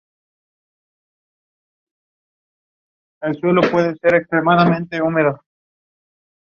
La cobertura vegetal comprende amplias zonas de arbolado y pastizales.